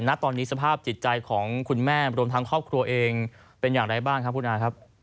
ณตอนนี้สภาพจิตใจของคุณแม่รวมทั้งครอบครัวเองเป็นอย่างไรบ้างครับคุณอาครับ